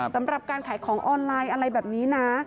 สำหรับการขายของออนไลน์อะไรแบบนี้นะ